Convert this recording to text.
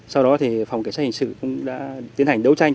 sau đó thì phòng cảnh sát hình sự cũng đã tiến hành đấu tranh